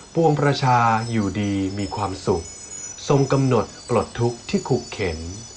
ปวงประชาอยู่ดีมีความสุขทรงกำหนดปลดทุกข์ที่ขุเข็น